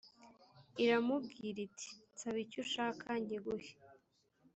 iramubwira iti nsaba icyo ushaka nkiguhe